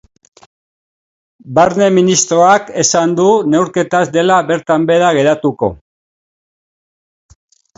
Barne ministroak esan du neurketa ez dela bertan behera geratuko.